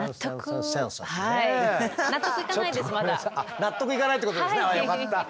納得いかないってことですね。